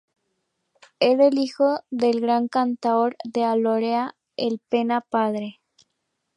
Era hijo del gran cantaor de Álora, El Pena Padre.